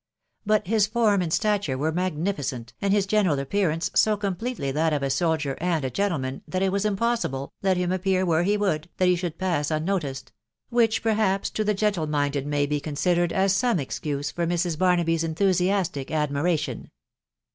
But his form and stature were magnificent, and his general appearance so completely that of a soldier and a gentleman, that it was impossible, let him appear where he would, that he should pass unnoticed .... which perhaps to the gentle minded may be considered as some excuse for Mrs. Barnaby's enthusiastic admiration.